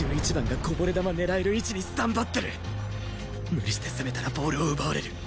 無理して攻めたらボールを奪われる